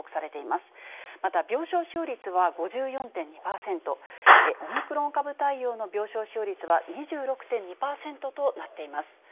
また病床使用率は５４．２％、オミクロン株対応の病床使用率は２６．２％となっています。